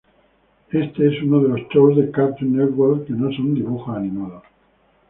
Este es uno de los shows de Cartoon Network que no son Dibujos Animados.